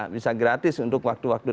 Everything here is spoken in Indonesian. bisa gratis untuk waktu waktu